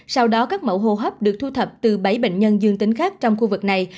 sau đó các mẫu hô hấp được thu thập từ bảy bệnh nhân dương tính khác trong khu vực này